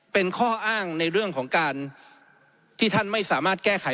เป็นข้ออ้างในเรื่องของการที่ท่านไม่สามารถแก้ไข